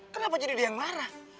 kenapa jadi dia yang marah